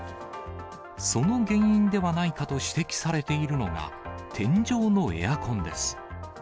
その原因ではないかと指摘されているのが、天井のエアコンです。